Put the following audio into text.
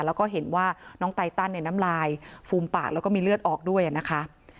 แล้วก็เห็นว่าน้องไตตันในน้ำลายฟูมปากแล้วก็มีเลือดออกด้วยนะคะ